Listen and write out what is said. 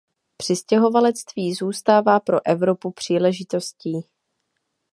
Přistěhovalectví zůstává pro Evropu příležitostí.